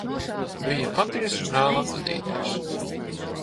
Bija patiesi žēl atvadīties.